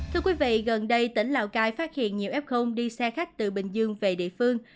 thưa quý vị gần đây tỉnh lào cai phát hiện nhiều f đi xe khách từ bình dương về địa phương